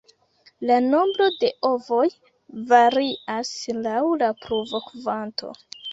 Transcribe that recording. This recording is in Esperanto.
La nombro de ovoj varias laŭ la pluvokvanto.